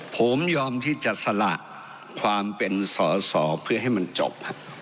ผมยอมที่จะสละความเป็นสอสอเพื่อให้มันจบ